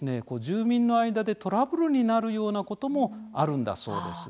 住民の間でトラブルになるようなこともあるんだそうです。